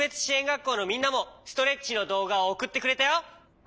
がっこうのみんなもストレッチのどうがをおくってくれたよ！